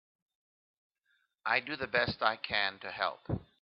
I do the best I can to help.